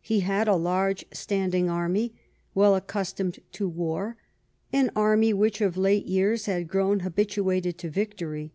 He had a large standing army, well accustomed to war, an army which of late years had grown habit uated to victory.